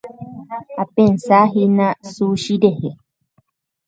Apensahína sushi rehe.